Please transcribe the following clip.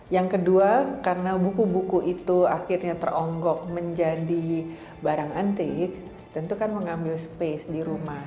yang kedua karena buku buku itu akhirnya teronggok menjadi barang anti tentu kan mengambil space di rumah